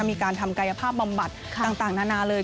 มีการทำกายภาพบำบัดต่างนานาเลย